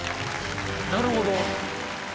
なるほど。